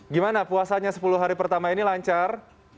gimana puasanya sepuluh hari pertama ini lancar